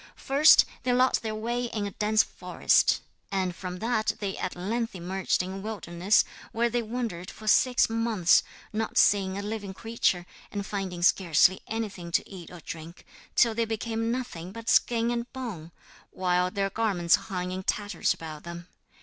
First they lost their way in a dense forest, and from that they at length emerged in a wilderness where they wandered for six months, not seeing a living creature and finding scarcely anything to eat or drink, till they became nothing but skin and bone, while their garments hung in tatters about them.